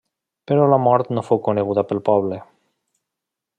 Però la mort no fou coneguda pel poble.